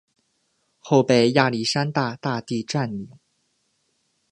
后被亚历山大大帝占领。